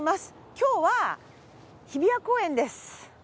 今日は日比谷公園です。